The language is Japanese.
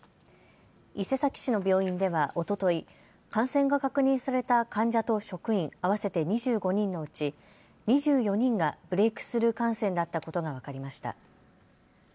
伊勢崎市の病院では、おととい感染が確認された患者と職員合わせて２５人のうち２４人がブレイクスルー感染だったことが分かりました。